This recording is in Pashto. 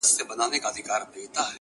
پر ټول جهان دا ټپه پورته ښه ده’